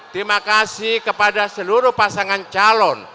terima kasih kepada seluruh pasangan calon